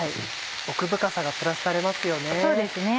奥深さがプラスされますよね。